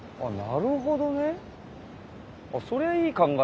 なるほど。